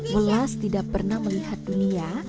welas tidak pernah melihat dunia